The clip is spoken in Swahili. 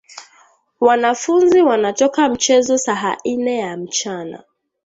Wanafunzi wana toka mchezo saha ine ya mchana